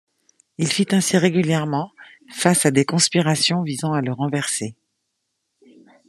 Il fit ainsi régulièrement face à des conspirations visant à le renverser.